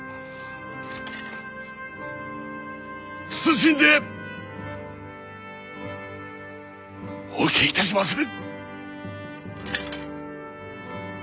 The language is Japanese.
謹んでお受けいたしまする！